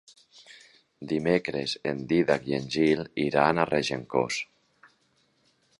Dimecres en Dídac i en Gil iran a Regencós.